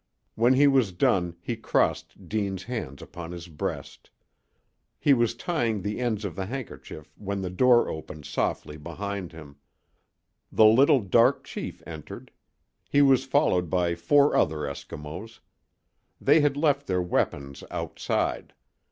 When he was done he crossed Deane's hands upon his breast. He was tying the ends of the handkerchief when the door opened softly behind him. The little dark chief entered. He was followed by four other Eskimos. They had left their weapons outside.